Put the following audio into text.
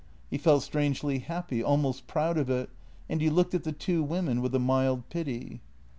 He felt strangely happy, al most proud of it, and he looked at the two women with a mild pity.